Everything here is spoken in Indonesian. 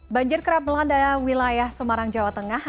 banjir kerap melanda wilayah semarang jawa tengah